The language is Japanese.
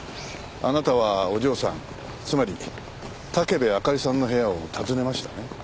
あなたはお嬢さんつまり武部あかりさんの部屋を訪ねましたね？